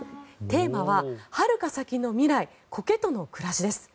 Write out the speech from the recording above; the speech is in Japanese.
テーマは「はるか先の未来コケとの暮らし」です。